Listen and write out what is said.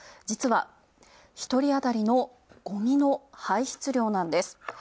実は、一人当たりのゴミの排出量なんです。